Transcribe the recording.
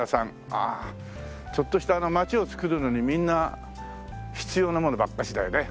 ああちょっとした街をつくるのにみんな必要なものばっかしだよね。